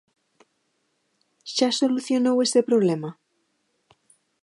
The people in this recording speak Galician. ¿Xa solucionou ese problema?